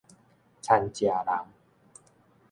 呻食人